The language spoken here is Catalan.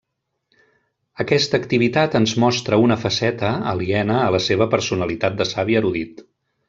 Aquesta activitat ens mostra una faceta aliena a la seva personalitat de savi erudit.